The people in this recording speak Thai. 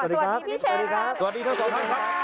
สวัสดีพี่เชนครับสวัสดีท่านสองท่านครับสวัสดีครับสวัสดีครับ